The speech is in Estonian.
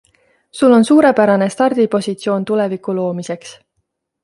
Sul on suurepärane stardipositsioon tuleviku loomiseks.